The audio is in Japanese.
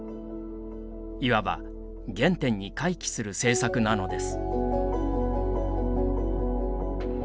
いわば原点に回帰する政策なのです。